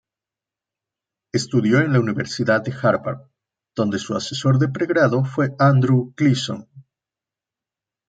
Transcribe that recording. Estudió en Universidad de Harvard, donde su asesor de pregrado fue Andrew Gleason.